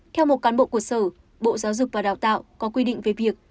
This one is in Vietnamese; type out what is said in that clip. theo một cán bộ của sở bộ giáo dục và đào tạo có quy định về việc